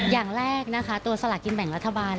อย่างแรกนะคะตัวสลากินแบ่งรัฐบาล